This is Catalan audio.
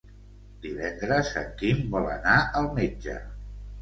Divendres en Quim vol anar al metge.